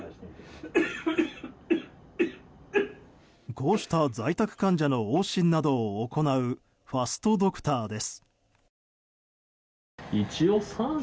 こうした在宅患者の往診などを行うファストドクターです。